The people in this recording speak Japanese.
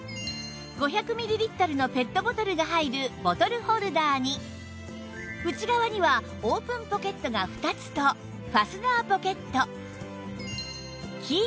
５００ミリリットルのペットボトルが入るボトルホルダーに内側にはオープンポケットが２つとファスナーポケット